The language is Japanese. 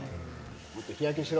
もっと日焼けしろ。